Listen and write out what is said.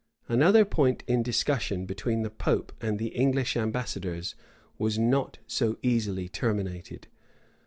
Another point in discussion between the pope and the English ambassadors was not so easily terminated.